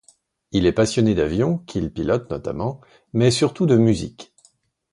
Il est passionné d'avion qu’il pilote notamment mais surtout de musique.